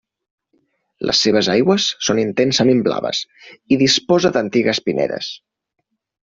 Les seves aigües són intensament blaves i disposa d'antigues pinedes.